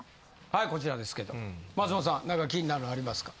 はいこちらですけど松本さん何か気になるのありますか？